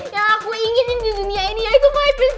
yang aku inginin di dunia ini yaitu my prince